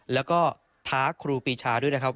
แล้วก็ท้าครูปีชาด้วยนะครับ